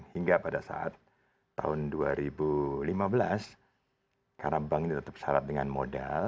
hingga pada saat tahun dua ribu lima belas karena bank ini tetap syarat dengan modal